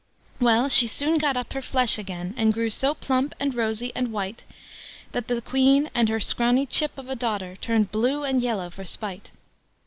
Well, she soon got up her flesh again, and grew so plump, and rosy, and white, that the Queen and her scrawny chip of a daughter turned blue and yellow for spite.